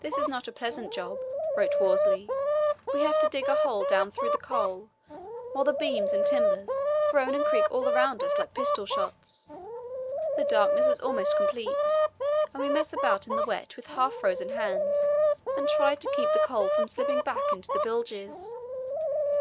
"This is not a pleasant job," wrote Worsley. "We have to dig a hole down through the coal while the beams and timbers groan and crack all around us like pistol shots. The darkness is almost complete, and we mess about in the wet with half frozen hands and try to keep the coal from slipping back into the bilges.